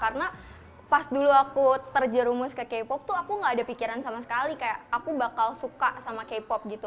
karena pas dulu aku terjerumus ke k pop tuh aku gak ada pikiran sama sekali kayak aku bakal suka sama k pop gitu